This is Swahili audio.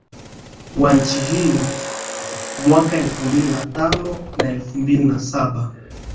wa nchi hiyo mwaka elfu mbili na tano na elfu mbili na saba